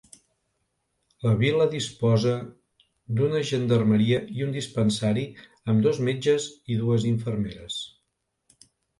La vila disposa d'una gendarmeria i un dispensari amb dos metges i dues infermeres.